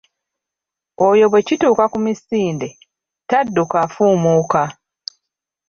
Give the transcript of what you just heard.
Oyo bw’ekituuka ku misinde, tadduka afuumuuka.